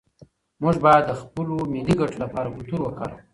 موږ باید د خپلو ملي ګټو لپاره کلتور وکاروو.